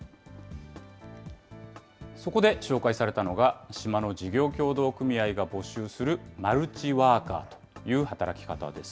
そこで紹介されたのが、島の事業協同組合が募集するマルチワーカーという働き方です。